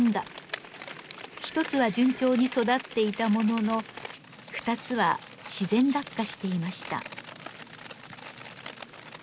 １つは順調に育っていたものの２つは自然落下していました。